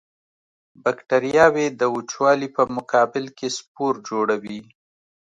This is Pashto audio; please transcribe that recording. بکټریاوې د وچوالي په مقابل کې سپور جوړوي.